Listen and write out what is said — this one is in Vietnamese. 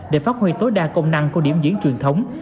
để phát huy tối đa công năng của điểm diễn truyền thống